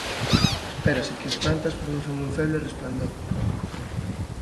Espérase que as plantas produzan un feble resplandor.